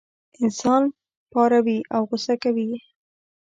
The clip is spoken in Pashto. انسان پاروي او غوسه کوي یې.